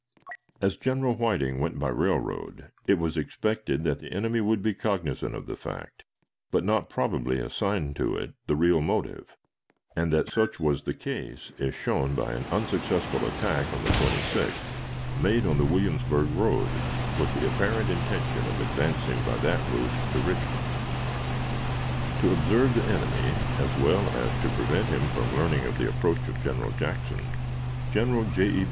As General Whiting went by railroad, it was expected that the enemy would be cognizant of the fact, but not, probably, assign to it the real motive; and that such was the case is shown by an unsuccessful attack of the 26th, made on the Williamsburg road, with the apparent intention of advancing by that route to Richmond. To observe the enemy, as well as to prevent him from learning of the approach of General Jackson, General J. E.